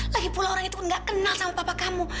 lagipula orang itu gak kenal sama papa kamu